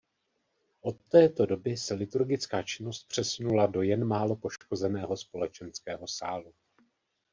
Od této doby se liturgická činnost přesunula do jen málo poškozeného společenského sálu.